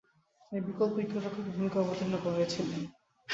তিনি বিকল্প উইকেট-রক্ষকের ভূমিকায় অবতীর্ণ হয়েছিলেন।